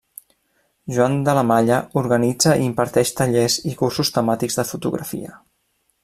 Joan de la Malla organitza i imparteix tallers i cursos temàtics de fotografia.